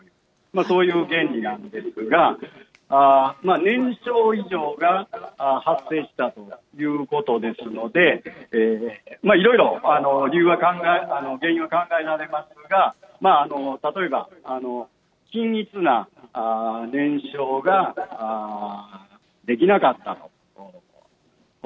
そういう原理なんですが、燃焼異常が発生したということですので、いろいろ原因は考えられますが、例えば、均一な燃焼ができなかったと。